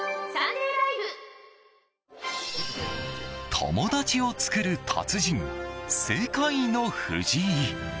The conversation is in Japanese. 友達を作る達人世界の藤井。